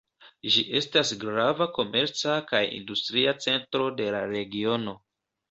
Ĝi estas grava komerca kaj industria centro de la regiono.